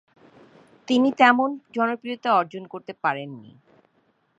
তিনি তেমন জনপ্রিয়তা অর্জন করতে পারেননি।